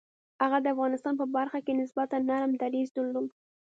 هغه د افغانستان په برخه کې نسبتاً نرم دریځ درلود.